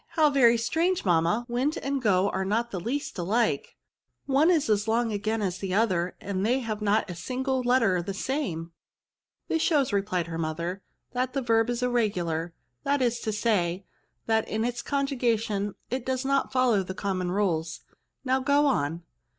^^ How very strange, mamma ! went and go are not the least aUke ; one is as long again as the other, and they have not even a single letter the same." " This shows," repUed her mother, " that the verb is irregular ; that is to say, that in its conjugation it does not follow the com* mon rules. Now go on."